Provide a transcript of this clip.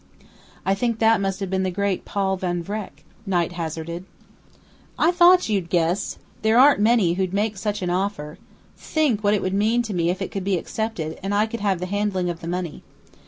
"I think that must have been the great Paul Van Vreck," Knight hazarded. "I thought you'd guess! There aren't many who'd make such an offer. Think what it would mean to me if it could be accepted, and I could have the handling of the money.